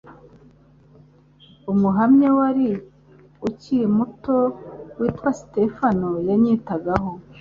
Umuhamya wari ukiri muto witwa Stéphane yanyitagaho